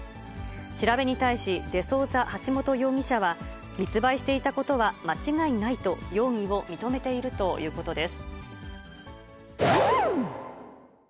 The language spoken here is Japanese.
調べに対し、デ・ソウザ・ハシモト容疑者は、密売していたことは間違いないと容疑を認めているということです。